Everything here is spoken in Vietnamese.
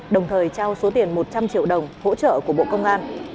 đồng thời trao số tiền một trăm linh triệu đồng hỗ trợ của bộ công an